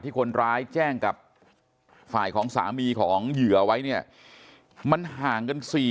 คนร้ายแจ้งกับฝ่ายของสามีของเหยื่อไว้เนี่ยมันห่างกันสี่